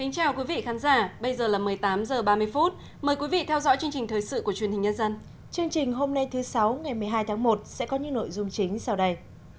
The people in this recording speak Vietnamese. chương trình hôm nay thứ sáu ngày một mươi hai tháng một sẽ có những nội dung chính sau đây